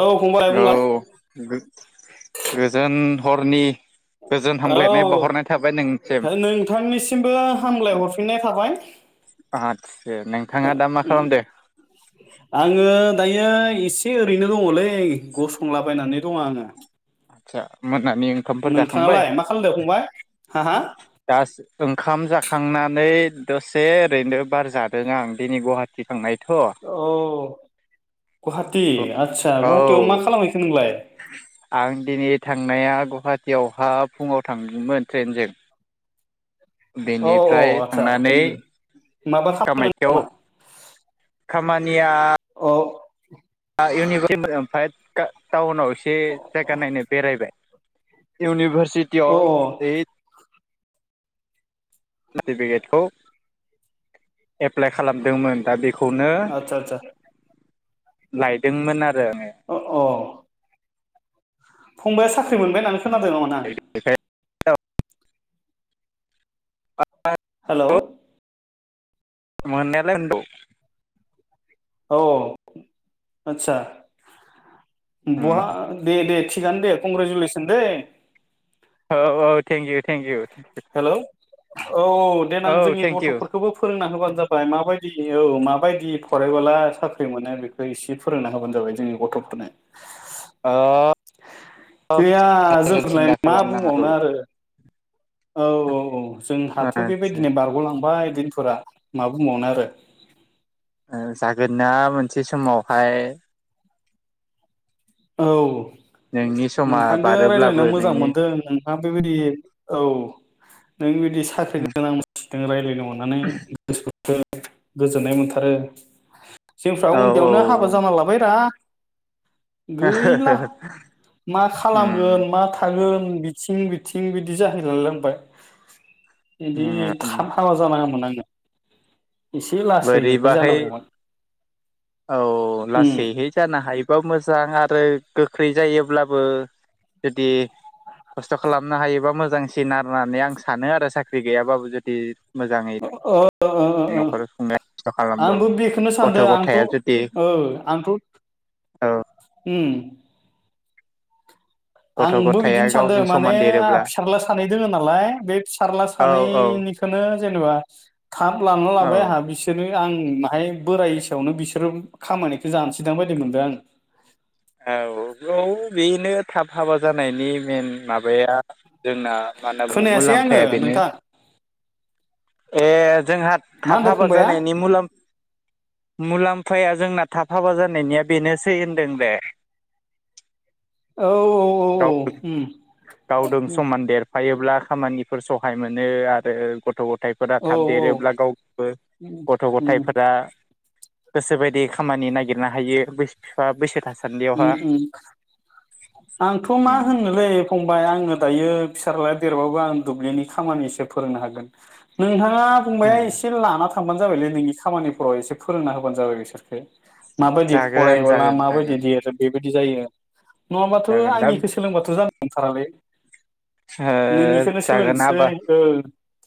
औ फंबाय औ बुंलाय गोजोन हरनि गोजोन हामगलायनाय औ बावहरनाय थाबाय नों नोंथांनिसिमबो हामलाय हरफिननाय थाबाय आदसा नोंथाङा दा मा उम खालामदो आङो ओ दायो एसे ओरैनो दङलै गसंलाबायनानै दङ आङो। आस्सा मोनानि ओंखामफोर जाखांबाय? नोंथाङालाय मा खालामदों फंबाय हा हा दास ओंखाम जाखांनानै दसे ओरैनो बार जादों आं दिनै गुवाहाटि थांनाय औ गुवाहाटि आस्सा गुवाहाटियाव मा औ खालामहैखो नोंलाय? आं दिनै थांनाया गुवाहाटीयावहा फुङाव थांदोंमोन ट्रेनजों। अ बेनिफ्राय आदसा थांनानै उम उम। माबा खामानि कामाख्याव नामा खामानिया औ [inaudible] इउनिभारसिटि अ अफ सार्टिफिकेटखौ एप्लाइ खालामदोंमोन दा बे आतसा आतसा लायदोंमोन आरो आङो अ अ फंबाया साख्रि मोनबाय होननानै खोनादोंमोन आं। हेलौ आङो [unintelligible] औ आदसा बहा दे दे थिगानो दे कंग्रेसुलेसन दे थेंक इउ हेलौ औ देनां औ जोंनि थेंकिउ गथ'फोरखौबो फोरोंना होबानो जाबाय माबायदि औ माबायदि फरायबोला साख्रि मोनो बेखौ एसे फोरोंना होबानो जाबाय जोंनि गथ' थनो अ गैया जागोन सिन्था जोंफोरलाय मा खालामनाङाखौ बुंबावनो आरो औ औ औ जोंहाथ' बेबायदिनो बारग'लांबाय बिनो फोरा मा बुंबावनो आरो जागोन ना मोनसे समावहाय औ नोंनि समा नोंथांजों रायज्लायना बारोब्लाबो मोजां नोंनि मोनदों नोंथाङा बेबायदि औ नों बिदि साख्रि गोनां मानसिजों रायज्लायनो हनानै गोस गोजोननाय मोनथारो जोंफ्रा औ उन्दैयावनो हाबा औ जाना लाबायरा गैला मा खालामगोन मा थागोन बिथिं बिथिं बिदि जाहैला लांबाय बिदि थाब हाबा जानाङा मोन आड़ो। बोरैबाहै जानांगौमोन औ उम लासैहै जानो हायोबा मोजां आरो आरो गोख्रै जायोब्लाबो जुदि खस्थ' खालामनो हायोबा मोजांसिन आरो होननानै आं सानो आरो साख्रि गैयाबाबो जुदि मोजाङै ओ ओ ओ ओ न'खर खुंनो खस्थ' खालामबाबो आंबो बेखौनो सानदों गथ' आंथ' गथाया जुदि औ आंथ' औ उम। गथ' आंबो गथाया बिदिनो सानदों गावजों माने समान आंहा देरोब्ला फिसाला सानै दोङ नालाय बे फिसाला औ औ सानैनि खौनो जेनेबा थाब लांना औ लाबाय आंहा बिसोरनि आं माहाय बोराय सायावनो बिसोरो खामानिखौ जानोसैदां बायदि मोनदों आं। औ- औ बेनो थाब हाबा जानायनि मेन माबाया जोंना मा होनना बुङो खोनायासै आङो मुलाम्फाया बेनो। नोंथां ऐ जोंहा मा थाब होनदों हाबा फंबाया जानायनि मुलाम जोंना थाब हाबा जानायनिया बेनोसै होनदोंरे। औ -औ गाव -औ अम। गावदों समान देरफायोब्ला खामानिफोर सहाय मोनो आरो गथ' -गथ' -थायफोरा औ थाब औ देरोब्ला गावबो गथ' उम गथाइफोरा गोसोबायदि खामानि नागिरनो हायो बै बिफा बैसो थासान अम-अम आंथ' मा उम होनलै फं आड़ो दायो फिसारलाया देरबाबो आं दुब्लिनि खामानि फोरोंनो हागोन नोंथां नोंथाङा बुंबाया उम एसे लाना थांबानो जाबायलै नोंनि खामानिफोराव एसे फोरोंना होबानो जाबाय बिसोरखो। माबायदि जागोन फरायबोला जागोन माबायदि जागोन देर बेबायदि जायो नङाबाथ' जागोन दा आंनिखौ सोलोंबाथ' जानो नांथारालै। ओ जागोन सोलोंसै आबा ओ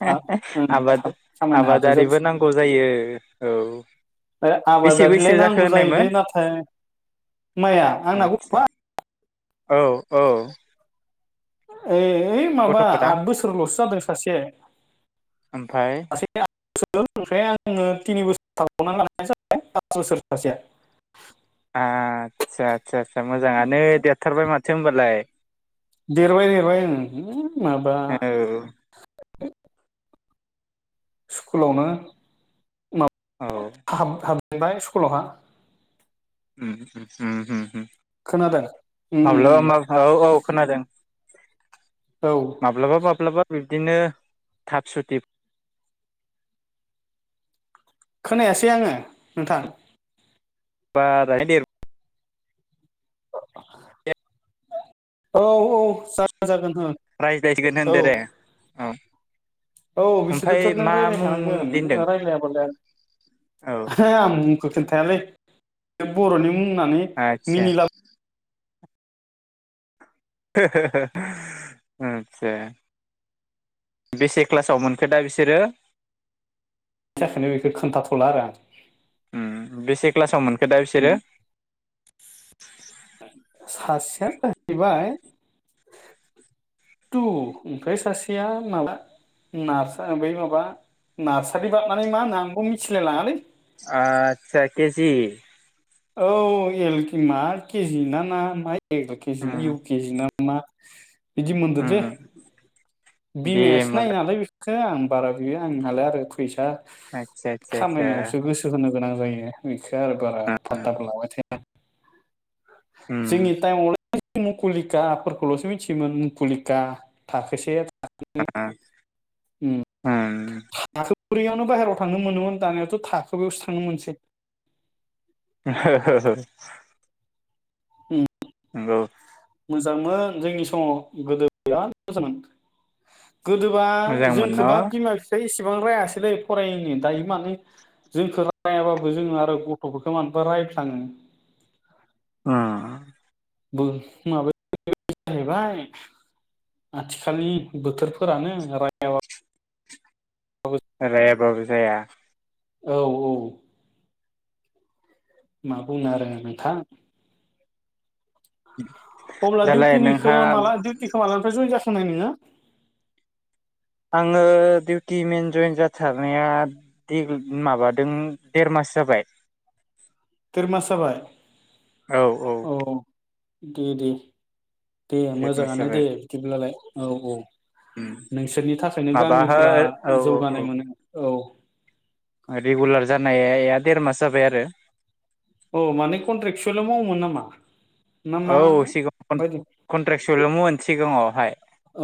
थाब ओं आबाद- थाब खामायनो हाथों आबादारिबो जाथोंसै नांगौ जायो औ। ओ बेसे आबादारिलाय बैसो जाखो नांगौ जायोलै होननायमोन नाथाय माइया आंना आदसा गथा औ -औ। अ -ओ ओइ माबा गथ'फोरा आद बोसोरल'सो जादों सासे ओमफ्राय -सासेआ ओमफ्राय आङो थिनि बोसोर थबावना लानो जाबाय पास बोसोर सासेया। आचसा -आचसा- आचसा मोजाङानो देरथारबाय माथो होनबालाय। देरबाय- देरबाय अम माबा औ स्कुलावनो औ माब हाब- हाब जेनबाय स्कुलावहा। अम-अम-अम-अम खोनादों उम उम माब्लाबा उम -माब्लाबा औ- औ खोनादों। औ माब्लाबा- माब्लाबा बिब्दिनो थाब सुथि खोनायासै आङो नोंथां। बारायै देरबो रायज्लायसिगोन औ -औ जागोन -जागोन। प्राइज दायसिगोन होनदो ओं दे औ। औ ओमफ्राय बिसोरदोंथ' नों मा रायलाय मुं मुं खानांगोन दोनदों नोङो रायलाया बालाय औ आरो। हो आं मुंखौ खोनथायालै बे बर'नि मुं होननानै आदसा मिनिला हो-हो-हो आचसा। बेसे क्लासाव मोनखो दा बिसोरो? बिनि थाखायनो बेखौ खोन्थाथ'ला आरो आं। उम बेसे क्लासाव मोनखो दा बिसोरो? सासेया जाहैबाय [inaudible] थु ओमफ्राय सासेया माबा नारसा बै माबा नार्सारि बारनानै मा नाम आंबो मिथिलाय लाङालै आतसा केजि औ एलखि मा केजि ना मा मा एक केजि उम ना इउ केजि ना मा बिदि मोनदो उम दे दे बिमायासो नायो मोजां नालाय बेखो आं बारा बियो आंहालाय आरो फैसा आदसा आदसा आदसा खामायनायावसो गोसो होनो गोनां जायो बिखो आरो बारा फाटाखो लाबाय थाया उम जोंनि थाइम मुकुलिका फोरखौल'सो मिथियोमोन मुकुलिक थाखोसे उम उम थाखो ब्रैयावनो बाहेरायाव थांनो मोनोमोन दानियावथ' थाखोबायावसो थांनो मोनसै [unintelligible] उम नोंगौ मोजांमोन जोंनि समाव गोदो बिराद मोजां गोदोबा मोजांमोन न जोंखोबा बिमा बिफाया इस सेबां रायासैलै फरायैनि दायो मानो जोंखो रायाबाबो जों आरो गथ'फोरखो मानोबा राय फ्लांङो उम बो माबो जाहैबाय आथिखालनि बोथोरफोरानो राय रायाबाबो जाया औ औ माबुंनो आरो नोंथां अब्ला दालाय दिउटिनिखो नोंहा माला दिउटिखो मालानिफ्राय जयेन जास'नाय नोङो आङो दिउटि मेन जयेन जाथारनाय दे माबादों देर मास जाबाय [inaudible] देर मास जाबाय औ औ दे दे दे देर मास मोजाङानो दे जाबाय बिदिब्लालाय औ औ उम नोंसोरनि थाखायनो माबाहो गामिफोरा औ जौगानाय मोनो औ। रेगुलार जानायाया देर मास जाबाय आरो औ माने कन्ट्रेक्सुवेल'आव मावोमोन नामा। ना औ मा सिगाङ कन बायदि कन्ट्रेक्सुवेल'आवमोन सिगाङावहाय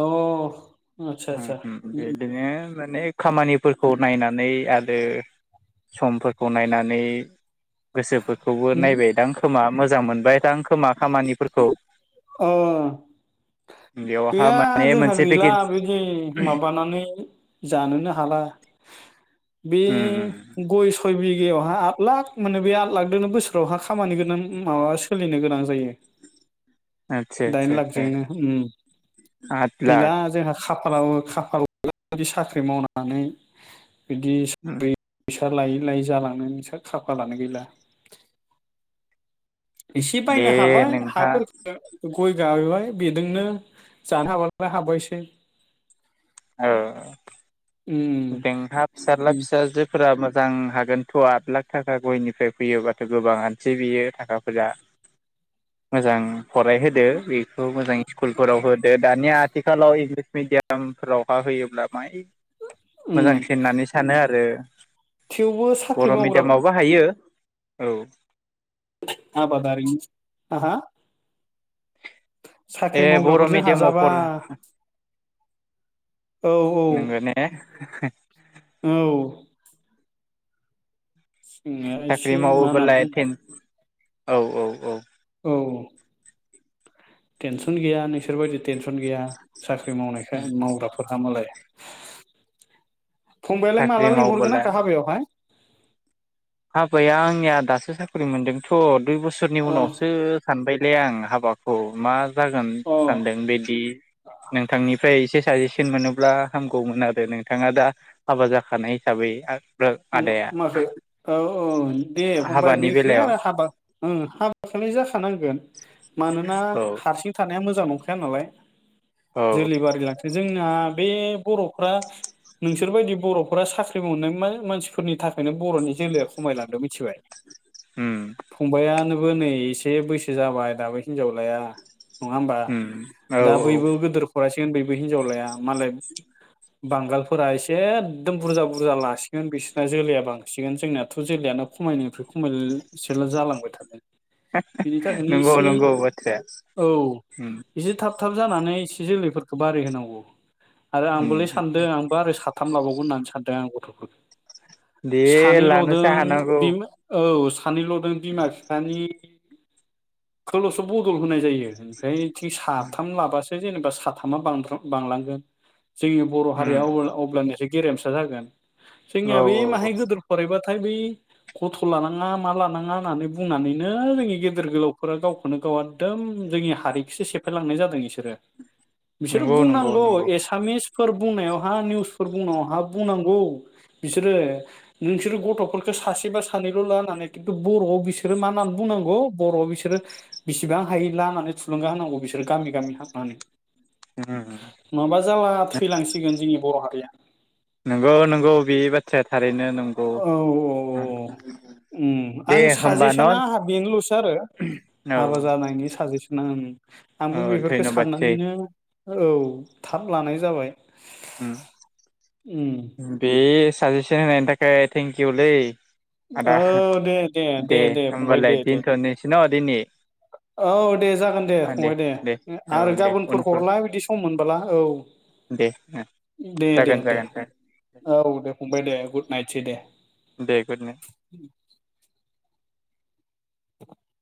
अ' आदसा उम आदसा उम बेदिनो माने खामानिफोरखौ नायनानै आरो समफोरखौ नायनानै। गोसोफोरखौबो नायबायदां खोमा मोजां मोनबाय दां खोमा खामानिफोरखौ अ बेवहा गैया माने जोंहा मोनसे गैला पेकेज बिदि माबानानै जानोनो हाला बे उम उम गय स सय बिगायावहा आद लाख मोनो बे आद लाखदोंनो बोसोरावहा खामानि गोनां माबा सोलिनो गोनां जायो। [inaudible] आदसा दाइन आदसा लाखजोंनो आदसा उम आद गैला लाख जोंहा खाफाला खाफाल साख्रि मावनानै बिदि लायै लायै जालांनो खाफालानो गैला एसे बे बायनो हाबाय नोंहा हाफोरखो गय गायबाय बेदोंनो जानो हाबालाय हाबायसै ओ उम बेंहा फिसादला उम फिसाजोफोरा म मोजां हागोनथ' आद लाख थाखा गयनिफ्राय फैयोबाथ' गोबां बियो थाखा फोरा मोजां फरायहोदो बेखौ मोजां स्कुलफोराव होदो दानिया आथिखालाव इंलि मिडियामफोरावहा होयोब्ला माइ उम मोजांसिन होननानै सानो आरो थेवबो साख्रि बर' मावग्रा मिडियामावबो हायो औ। आबादारिनि हा हा ए बर' मिडियामाव हाजाबा फरो ओ औ औ [unintelligible] औ जोंना साख्रि एसे मा होनना मावोबोला बुङो एथेन औ औ औ औ आरो औ टेनसन गैया नोंसोरबायदि टेनसन गैया साख्रि मावनायखाय मावग्राफोरहा मालाय। फंबायालाय साख्रि माला मावबोला लिंहरगोन आंखो हाबायावहाय हाबाया आंनिया दासो साख्रि मोनदोंथ' दुइ बोसोरनि अ उनावसो सानबाय ए आं हाबाखौ मा जागोन अ सानदों बिदि नोंथांनि ओमफ्राय एसे साजेसन मोनोब्ला हामगौमोन आरो नोंथाङा दा हाबा जाखानाय हिसाबै उम आदाया माखो औ औ दे फंबाय हाबानि बेखौलाय बेलायाव आरो हाबा ओ हाबाखौलाय जाखानांगोन मानोना औ हारसिं थानाया मो नखाया नालाय औ जोलैबारि लांथोंसै जोंना बे बर'फ्रा नोंसोरबायदि बर'फोरा साख्रि मावनाय मा? मानसिफोरनि थाखायनो बर'नि जोलैया खमायलांदो मिथिबाय उम फंबाया दाबबो नै एसे बैसो जाबाय दाबो हिनजावलाया नङा होमबा उम औ दा औ बयबो गोदिर फरायसा सिगोन बबो हिनजावलाया मालाय बांगालफोरा एसे एखदम बुरजा बुरजा लासिगोन बिसोरना जोलैया बांसिगोन जोंनियाथ' जोलयानो खमायनायनिफ्राय खमाय बिसोरला जालांबाय थादों बिनि थाखायनो नंगौ एसे नंगौ बाथ्राया औ उम इदि थाब थाब जानानै एसे जोलै बे बारारि होनांगौ आरो आंबोलै उम सानदों आंबो आरो साथाम लाबावगोन होननानै सानदों आं गथ'फोर दे सानैल'दों लानोसो हानांगौ बे औ सानैल' दों बिमा बिफानिखौल'सो बदल होनाय जायो ओमफ्राय थिं साथाम लाबासो जेनेबा साथामा बांलांगोन जोंनि बर' हारिया उम अब्लानिआसो गेरेमसा जागोन औ जोंनिया बे औ औ माहाय गोदोर फरायबथाय' बे गथ' लानाङा मा लानाङा होननानै बुंनानैनो जोंनि गेदेर गोलावफोरा गावखौनो गाव एखदम जोंनि हारिखौसो सेफायलांनाय जादों बिसोरो बिसोरो नंगौ नंगौ बुंनांगौ नंगौ एसामिस फोर बुंनायावहा निउसफोर बुंनायावहा बुंनांगौ बिसोरो नोंसोरो गथ'फोरखौ सासेबा सानैल' लानानै खिन्थु बर'आव बिसोरो मा होननानै बुंङो बर' बिसोरो बिसेबां हायो ला होननानै थुलुंगा होनांगौ बिसोर बिसोर गामि गामि हाबनानै उम माबा जालाब थैलांसिगोन जोंनि बर' ह गोया। नंगौ नंगौ बे बाथ्राया थारैनो नंगौ। औ औ औ दे आं होमबा न' साजेसना बेनोल'सो आरो औ हाबा जानायनि साजेसना आंबो औ बेफोरखौ धन्यबादसै साननानैनो औ थाब लानाय जाबाय उम बे साजेसन होनायनि थाखाय थेंक इउलै आदा औ दे दे फंबाय होमबालाय दे दे दोनथ'नोसै न' दिनि औ दे जागोन दे फंबाय दे औ आरो दे गाबोनफोर उनफोर हरला बिदि सम मोनबोला औ दे दे दे जागोन दे जागोन औ दे फंबाय दे गुद ननायटसै दे दे गुड नायथ। [unintelligible]